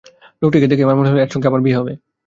লোকটিকে দেখেই আমার মনে হলো, এর সঙ্গে আমার বিয়ে হবে।